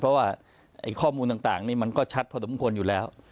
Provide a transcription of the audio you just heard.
เพราะว่าข้อมูลต่างนี่มันก็ชัดพอสมควรอยู่แล้ว